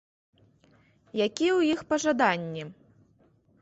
Якія ў іх пажаданні?